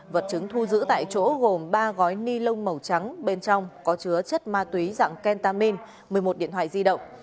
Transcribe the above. vật chứng thu giữ tại chỗ gồm ba gói ni lông màu trắng bên trong có chứa chất ma túy dạng kentamin một mươi một điện thoại di động